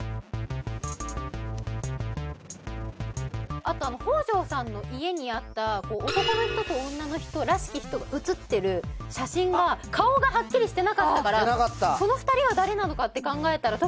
あとあの北条さんの家にあった男の人と女の人らしき人が写ってる写真が顔がはっきりしてなかったからその２人は誰なのかって考えたら。